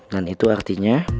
dan itu artinya